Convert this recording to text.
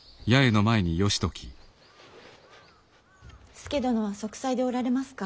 佐殿は息災でおられますか。